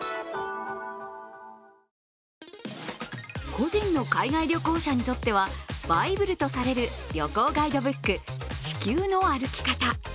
個人の海外旅行者にとってはバイブルとされる旅行ガイドブック「地球の歩き方」。